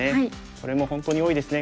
これも本当に多いですね。